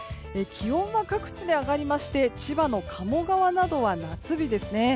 気温は各地で上がりまして千葉の鴨川などは夏日ですね。